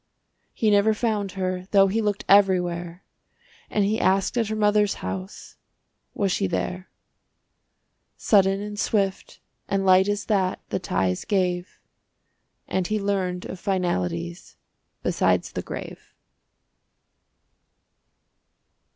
He never found her, though he looked Everywhere, And he asked at her mother's house Was she there. Sudden and swift and light as that The ties gave, And he learned of finalities Besides the grave.